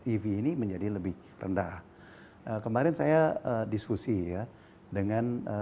ev ini menjadi lebih rendah kemarin saya diskusi ya dengan